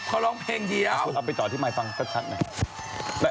เขาร้องเพลงดีเอาเอาไปจ่อที่ไมค์ฟังชัดหน่อย